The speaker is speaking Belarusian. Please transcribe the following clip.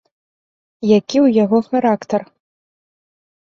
Які ў яго характар?